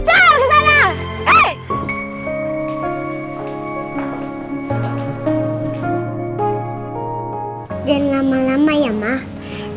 jangan lama lama ya mas